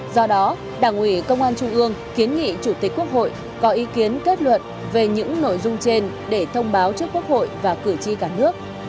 do đó đảng ủy công an trung ương kiến nghị chủ tịch quốc hội có ý kiến kết luận về những nội dung trên để thông báo trước quốc hội và cử tri cả nước